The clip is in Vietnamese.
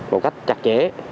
một cách chặt chẽ